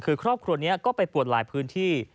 คือครอบครัวนี้ก็ไปปวดหลายพื้นที่